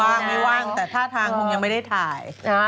ว่างไม่ว่างแต่ท่าทางคงยังไม่ได้ถ่าย